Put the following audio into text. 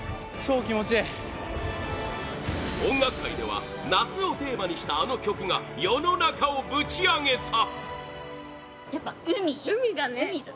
音楽界では夏をテーマにしたあの曲が世の中をぶちアゲた